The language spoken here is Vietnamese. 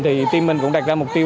thì team mình cũng đặt ra mục tiêu